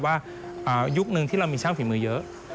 ยุคนึงที่เรามีช่างฝีมือเยอะ